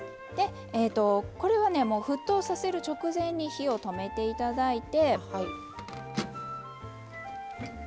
これはねもう沸騰させる直前に火を止めて頂いて。